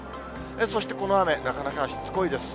そしてこの雨、なかなかしつこいです。